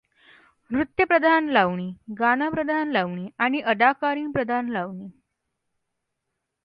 नृत्यप्रधान लावणी, गानप्रधान लावणी आणि अदाकारीप्रधान लावणी.